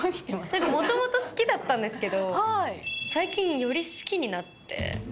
もともと好きだったんですけど、最近、より好きになって。